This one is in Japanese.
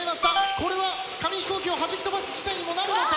これは紙飛行機をはじき飛ばす事態にもなるのか？